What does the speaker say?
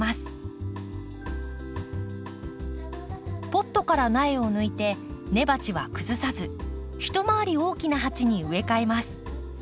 ポットから苗を抜いて根鉢は崩さず一回り大きな鉢に植え替えます。